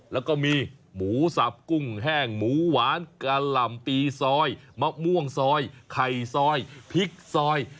แล้วก็มีหมูสับกุ้งแห้งหมูหวานกะหล่ำปีซอยมะม่วงซอยไข่ซอยพริกซอย